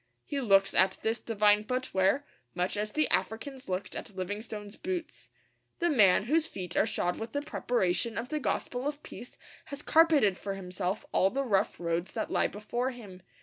He looks at this divine footwear much as the Africans looked at Livingstone's boots. The man whose feet are shod with the preparation of the gospel of peace has carpeted for himself all the rough roads that lie before him.